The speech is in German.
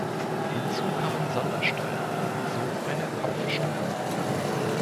Hinzu kamen Sondersteuern, so eine Kopfsteuer.